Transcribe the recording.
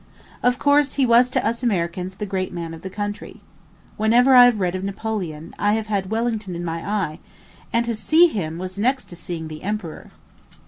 Of course, he was to us Americans the great man of the country. Whenever I have read of Napoleon, I have had Wellington in my eye, and to see him was next to seeing the emperor.